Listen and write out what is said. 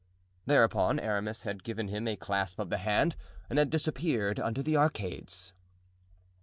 Thereupon Aramis had given him a clasp of the hand and had disappeared under the arcades.